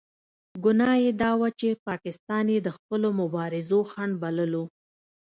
ګناه یې دا وه چې پاکستان یې د خپلو مبارزو خنډ بللو.